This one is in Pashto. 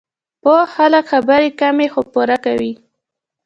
پوه خلک خبرې کمې، خو پوره کوي.